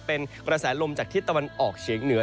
เป็นกระแสลมจากทิศตะวันออกเฉียงเหนือ